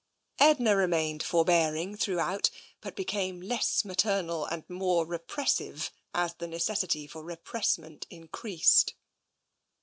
Edna remained forbearing throughout, but became less maternal and more repressive as the necessity for re pressment increased.